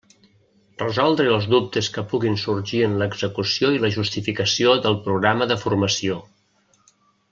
Resoldre els dubtes que puguin sorgir en l'execució i la justificació del programa de formació.